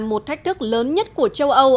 một thách thức lớn nhất của châu âu